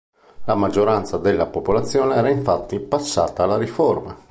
La maggioranza della popolazione era infatti passata alla Riforma.